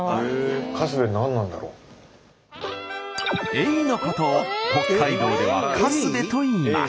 エイのことを北海道では「カスベ」と言います。